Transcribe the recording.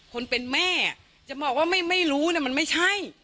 คนเป็นแม่จะบอกว่าไม่รู้นะมันไม่ใช่